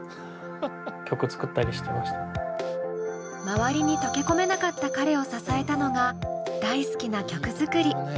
周りに溶け込めなかった彼を支えたのが大好きな曲作り。